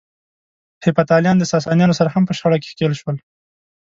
هېپتاليان د ساسانيانو سره هم په شخړه کې ښکېل شول.